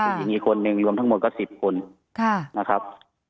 อยู่ที่นี่คนหนึ่งรวมทั้งหมดก็๑๐คนนะครับ